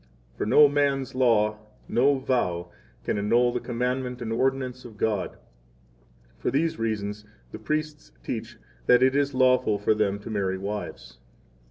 For no man's law, no vow, can annul the commandment and ordinance of God. For these reasons 9 the priests teach that it is lawful for them to marry wives.